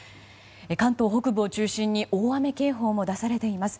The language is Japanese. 関東北部を中心に大雨警報も出されています。